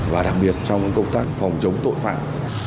và đặc biệt trong công tác phòng chống tội phạm